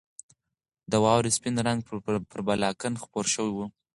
د واورې سپین رنګ پر بالکن خپور شوی و.